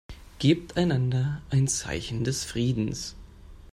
Gebt einander ein Zeichen des Friedens.